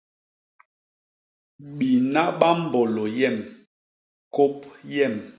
Bina ba mbôlô yem, kôp yem.